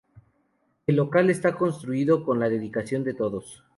El local está construido con la dedicación de todos.